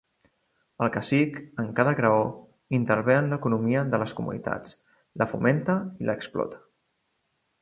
El cacic, en cada graó, intervé en l'economia de les comunitats, la fomenta i l'explota.